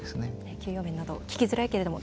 給与面など聞きづらいことも